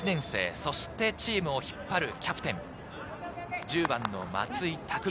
そしてチームを引っ張るキャプテン、１０番の松井匠。